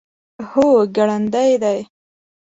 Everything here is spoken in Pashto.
هو، ګړندی دی